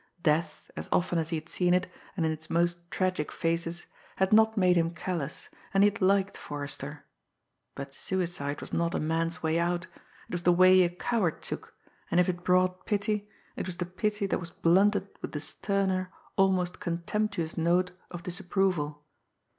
Death, as often as he had seen it, and in its most tragic phases, had not made him callous, and he had liked Forrester but suicide was not a man's way out, it was the way a coward took, and if it brought pity, it was the pity that was blunted with the sterner, almost contemptuous note of disapproval.